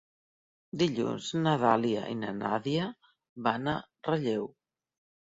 Dilluns na Dàlia i na Nàdia van a Relleu.